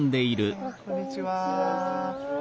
はいこんにちは。